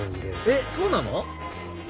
えっそうなの？